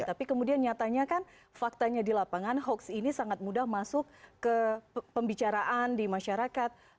tapi kemudian nyatanya kan faktanya di lapangan hoax ini sangat mudah masuk ke pembicaraan di masyarakat